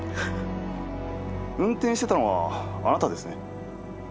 運転してたのはあなたですね？